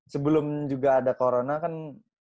sebelum juga ada corona kan